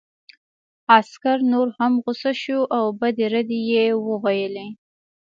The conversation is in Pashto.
عسکر نور هم غوسه شو او بدې ردې یې وویلې